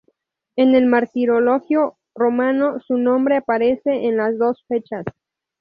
En el "Martirologio romano" su nombre aparece en las dos fechas.